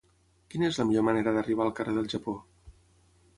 Quina és la millor manera d'arribar al carrer del Japó?